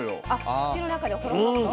口の中でホロホロと？